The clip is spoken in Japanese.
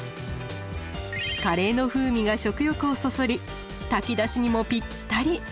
カレーの風味が食欲をそそり炊き出しにもぴったり。